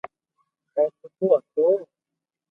او سٺو ھتو